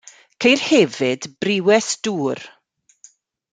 Ceir hefyd brywes dŵr.